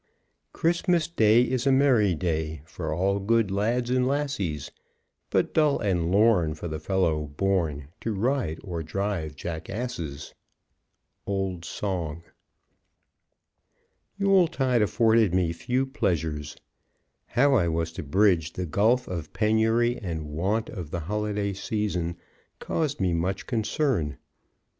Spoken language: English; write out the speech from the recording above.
Christmas day is a merry day For all good lads and lassies, But dull and lorn for th' fellow born To ride or drive jackasses. Old Song. Yuletide afforded me few pleasures. How I was to bridge the gulf of penury and want of the Holiday season caused me much concern.